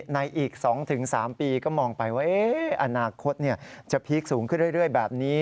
ในอีก๒๓ปีก็มองไปว่าอนาคตจะพีคสูงขึ้นเรื่อยแบบนี้